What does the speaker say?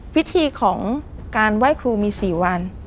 พิธีของการไหว้ครูมี๔วัน